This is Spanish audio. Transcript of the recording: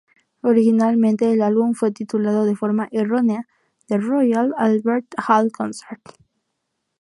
Originalmente, el álbum fue titulado de forma errónea "The Royal Albert Hall Concert".